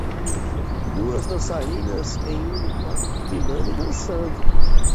Duas dançarinas em uniformes combinando dançando.